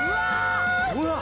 ほら。